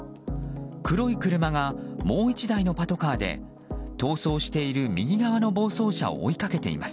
黒い車がもう１台のパトカーで逃走している右側の暴走車を追いかけています。